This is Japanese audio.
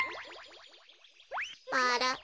あら？